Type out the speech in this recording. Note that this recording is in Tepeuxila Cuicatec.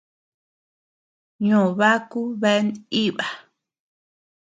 Ño baku bea nʼíba.